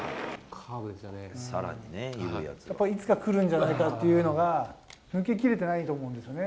やっぱいつか来るんじゃないかっていうのが、抜け切れてないと思うんですよね。